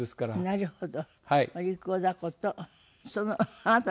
なるほど。